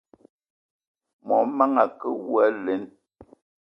Mon manga a ke awou alen!